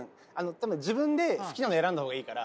多分自分で好きなの選んだ方がいいから。